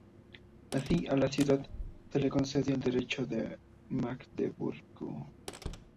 Así, a la ciudad se le concedió el Derecho de Magdeburgo.